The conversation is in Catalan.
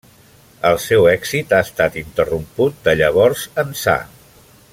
El seu èxit ha estat ininterromput de llavors ençà.